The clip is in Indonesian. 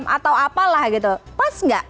atau apalah gitu pas nggak